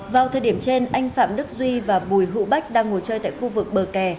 vào thời điểm trên anh phạm đức duy và bùi hữu bách đang ngồi chơi tại khu vực bờ kè